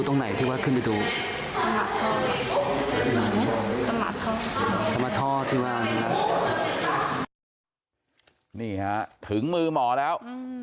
นี่ฮะถึงมือหมอแล้ว